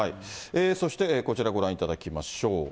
そしてこちらご覧いただきましょう。